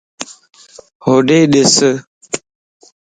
ھوڏي دِس